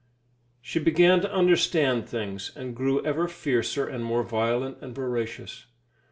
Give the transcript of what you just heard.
She began to understand things, and grew ever fiercer and more violent and voracious.